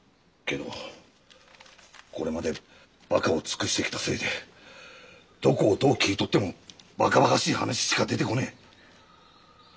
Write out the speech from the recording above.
けどこれまでバカを尽くしてきたせいでどこをどう切り取ってもバカバカしい話しか出てこねえ。